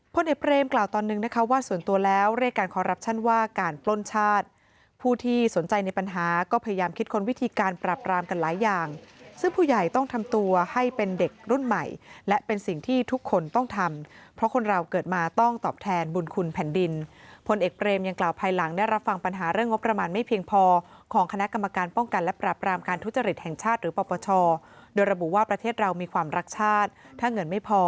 พ่อเอกเบรมกล่าวตอนนึงว่าส่วนตัวแล้วเรียกการขอรับชั่นว่าการปล้นชาติผู้ที่สนใจในปัญหาก็พยายามคิดค้นวิธีการปรับรามกันหลายอย่างซึ่งผู้ใหญ่ต้องทำตัวให้เป็นเด็กรุ่นใหม่และเป็นสิ่งที่ทุกคนต้องทำเพราะคนราวเ